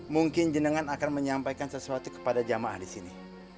mungkin jenengan akan menyampaikan sesuatu kepada jamaah disini